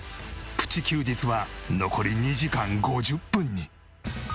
プチ休日は残り２時間５０分に。